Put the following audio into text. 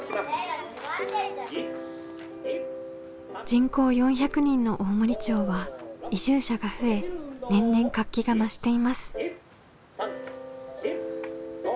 人口４００人の大森町は移住者が増え年々活気が増しています。